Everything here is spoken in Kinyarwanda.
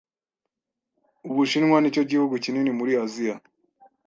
Ubushinwa nicyo gihugu kinini muri Aziya.